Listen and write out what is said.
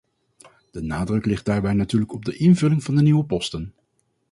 De nadruk ligt daarbij natuurlijk op de invulling van de nieuwe posten.